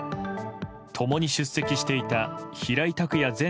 共に出席していた平井卓也前